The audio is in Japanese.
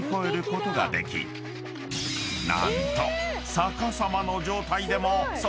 ［何と］